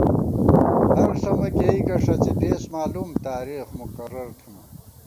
ہر ݪمہ کېئیکہ ݭڅی دېس مالُوم، تارېخ مقرر تھِمان